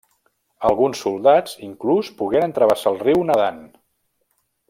Alguns soldats inclús pogueren travessar el riu nadant.